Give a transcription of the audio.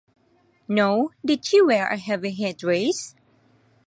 Nor did she wear a heavy headdress.